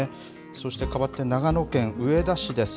そしてかわって長野県上田市です。